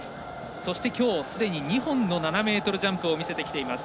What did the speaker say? そしてきょう、すでに２本の７ｍジャンプを見せてきています。